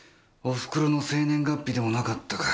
お袋の生年月日でもなかったか。